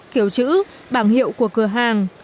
kiểu chữ bảng hiệu của cửa hàng